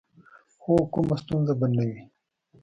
هو، کومه ستونزه به نه وي.